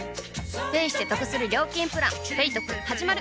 ペイしてトクする料金プラン「ペイトク」始まる！